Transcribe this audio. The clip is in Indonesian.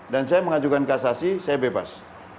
dan saya mengajukan kasasi saya bebas